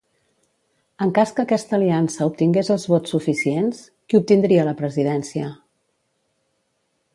En cas que aquesta aliança obtingués els vots suficients, qui obtindria la presidència?